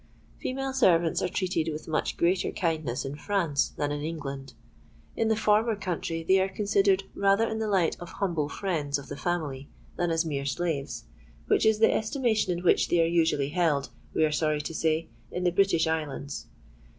Female servants are treated with much greater kindness in France than in England. In the former country they are considered rather in the light of humble friends of the family than as mere slaves, which is the estimation in which they are usually held, we are sorry to say, in the British Islands.